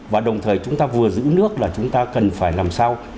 và đồng thời chúng ta vừa giữ nước là chúng ta cần phải làm sao